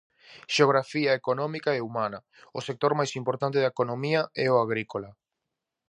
Xeografía económica e humana: o sector máis importante da economía é o agrícola.